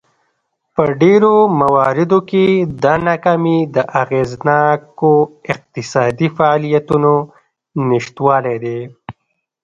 په ډېرو مواردو کې دا ناکامي د اغېزناکو اقتصادي فعالیتونو نشتوالی دی.